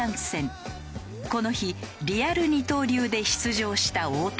この日リアル二刀流で出場した大谷。